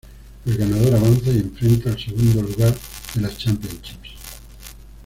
El ganador avanza y enfrenta al segundo lugar de la "Championship".